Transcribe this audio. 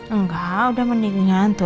enggak udah mending nyantur